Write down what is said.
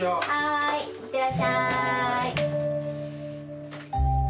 いってらっしゃい。